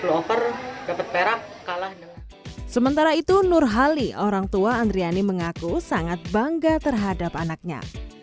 perak kalah dengan sementara itu nurhali orang tua andriani mengaku sangat bangga terhadap anaknya